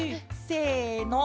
せの！